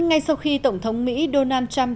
ngay sau khi tổng thống mỹ donald trump